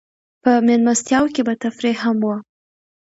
په مېلمستیاوو کې به تفریح هم وه.